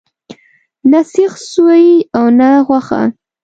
نه سیخ سوی او نه غوښه.